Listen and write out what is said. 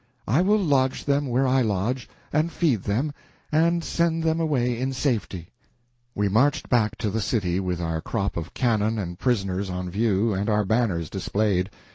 I will lodge them where I lodge, and feed them, and sent them away in safety." We marched back to the city with our crop of cannon and prisoners on view and our banners displayed.